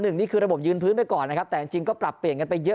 นี่คือระบบยืนพื้นไปก่อนนะครับแต่จริงก็ปรับเปลี่ยนกันไปเยอะ